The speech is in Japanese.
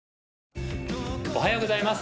おはようございます